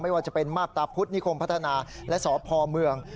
ว่าจะเป็นมาบตาพุทธนิคมพัฒนาและสพเมือง